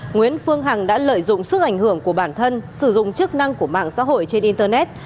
nguyễn phương hằng đã lợi dụng sức ảnh hưởng của bản thân sử dụng chức năng của mạng xã hội trên internet